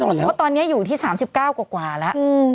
เพราะตอนนี้อยู่ที่๓๙กว่าแล้ว